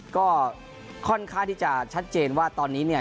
ก็ค่อนข้างที่จะชัดเจนว่าตอนนี้เนี่ย